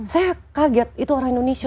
saya kaget itu orang indonesia